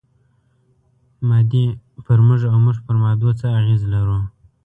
مادې پر موږ او موږ پر مادو څه اغېز لرو؟